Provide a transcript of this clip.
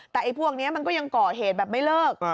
แต่ไอ้พวกนี้มันก็ยังก่อเหตุแบบไม่เลิก